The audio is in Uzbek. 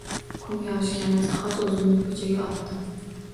Kun yorishgani zahot o’zimni ko’chaga otdim.